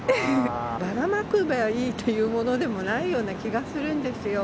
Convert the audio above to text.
ばらまけばいいというものでもないような気がするんですよ。